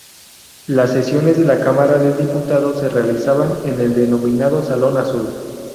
Las sesiones de la Cámara de Diputados se realizaban en el denominado "salón Azul".